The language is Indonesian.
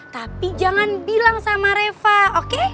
tapi jangan bilang sama reva oke